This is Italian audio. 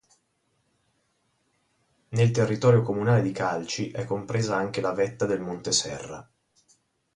Nel territorio comunale di Calci è compresa anche la vetta del Monte Serra.